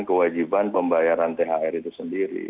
kewajiban pembayaran thr itu sendiri